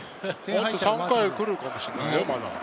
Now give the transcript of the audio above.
３回来るかもしれないよ、まだ。